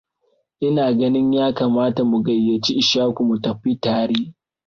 Ina ganin ya kamata mu gayyaci Ishaku mu tafi tare.